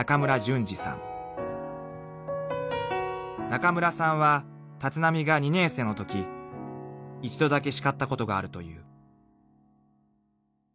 ［中村さんは立浪が２年生のとき一度だけ叱ったことがあるという］